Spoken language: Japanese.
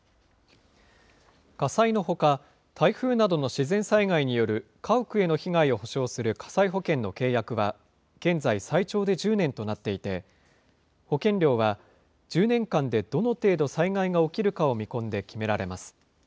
火災のほか、台風などの自然災害による家屋への被害を補償する火災保険の契約は、現在、最長で１０年となっていて、保険料は１０年間でどの程度災害が起きるかを見込んで決められます。